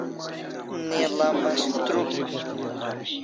Ne'la mastruk